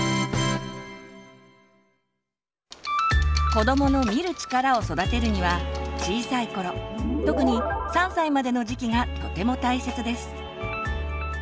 子どもの「見る力」を育てるには小さい頃特に３歳までの時期がとても大切です。